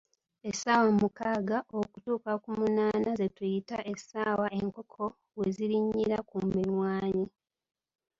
Essaawa mukaaga okutuuka ku munaana ze tuyita essaawa enkoko we zirinnyira ku mimwanyi.